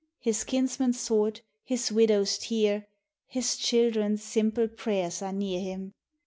His kinsman's sword, his widow's tear, His children's simple prayers are near him.